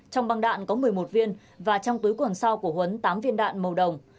trong băng đạn có một mươi một viên và trong túi quần sau của huấn tám viên đạn màu đồng